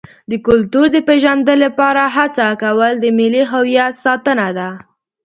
د کلتور د پیژندنې لپاره هڅه کول د ملي هویت ساتنه ده.